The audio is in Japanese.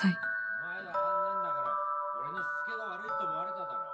お前があんなんだから俺のしつけが悪いと思われただろ。